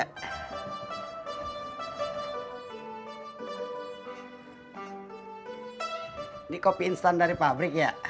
ini kopi instan dari pabrik ya